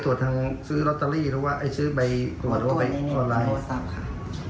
ตัวในเนี่ยโทรศัพท์ค่ะ